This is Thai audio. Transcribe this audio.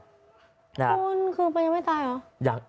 คุณคือมันยังไม่ตายเหรอ